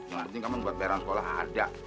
yang penting kamu buat bayaran sekolah ada